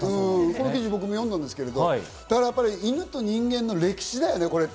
僕、この記事読んだんですけれども、犬と人間の歴史だよね。